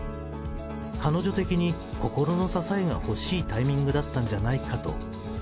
彼女的に心の支えが欲しいタイミングだったんじゃないかと。